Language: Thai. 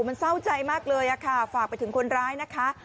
มันเศร้าใจมากเลยค่ะฝากไปถึงคนร้ายนะคะ